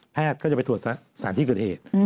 ก็จะไปตรวจสารที่เกิดเหตุ